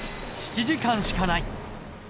７時間しかない。